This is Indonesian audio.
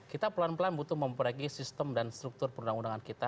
kita pelan pelan butuh memperbaiki sistem dan struktur perundang undangan kita